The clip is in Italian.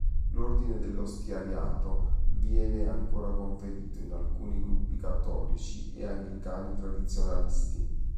L'ordine dell'ostiariato viene ancora conferito in alcuni gruppi cattolici e anglicani tradizionalisti.